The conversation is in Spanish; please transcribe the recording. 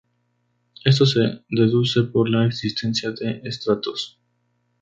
Esto se deduce por la existencia de estratos.